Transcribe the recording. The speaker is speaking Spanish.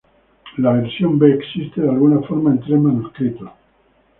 La versión B existe de alguna forma en tres manuscritos.